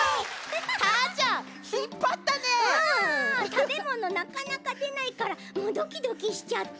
たべものなかなかでないからもうドキドキしちゃった。